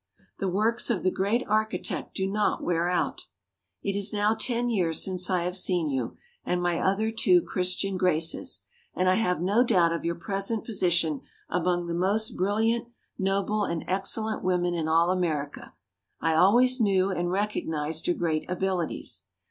The works of the Great Architect do not wear out. It is now ten years since I have seen you and my other two Christian Graces and I have no doubt of your present position among the most brilliant, noble and excellent women in all America. I always knew and recognized your great abilities.